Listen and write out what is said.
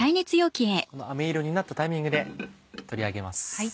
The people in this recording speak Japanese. このあめ色になったタイミングで取り上げます。